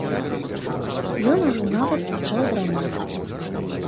Ён ужо нават пачаў драмаць.